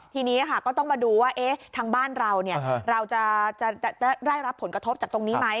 ทีนี้ก็ต้องมาดูว่าทางบ้านเราเราจะได้รับผลกระทบจากตรงนี้ไหม